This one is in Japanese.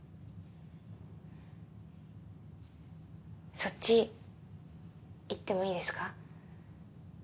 そっち行ってもいいですか？